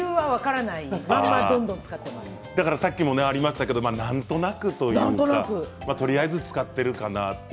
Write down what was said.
さっきもありましたがなんとなく、とりあえず使っているかなと。